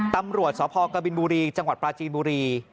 ตำรวจสกบจังหวัดปลาจีนบุรี